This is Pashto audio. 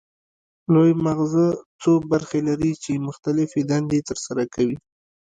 لوی مغزه څو برخې لري چې مختلفې دندې ترسره کوي